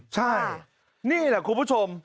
ใช่นี่แหละคุณผู้ชม